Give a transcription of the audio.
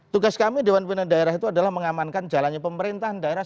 tugas kami dewan pimpinan daerah itu adalah mengamankan jalannya pemerintahan daerah